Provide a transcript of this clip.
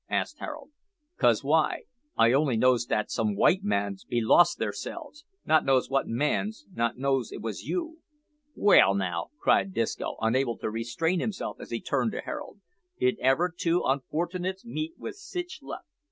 asked Harold. "'Cause why, I only knows dat some white mans be loss theirselfs not knows what mans not knows it was you." "Well now," cried Disco, unable to restrain himself as he turned to Harold, "did ever two unfortnits meet wi' sitch luck?